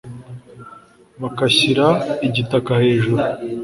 bakanshyira igitaka hejuru